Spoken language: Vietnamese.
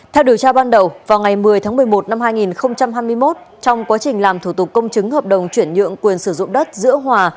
theo điều tra ban đầu vào ngày một mươi tháng một mươi một năm hai nghìn hai mươi một trong quá trình làm thủ tục công chứng hợp đồng chuyển nhượng quyền sử dụng đất giữa hòa